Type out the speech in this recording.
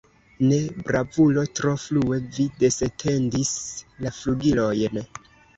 Ne, bravulo, tro frue vi disetendis la flugilojn!